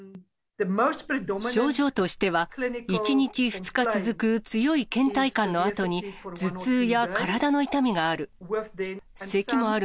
症状としては、１日、２日続く強いけん怠感のあとに、頭痛や体の痛みがある。